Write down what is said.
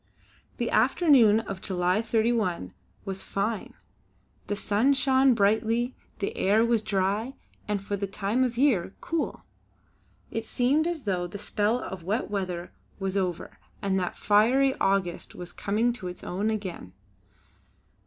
The afternoon of July 31 was fine. The sun shone brightly; the air was dry and, for the time of year, cool. It seemed as though the spell of wet weather was over and that fiery August was coming to its own again.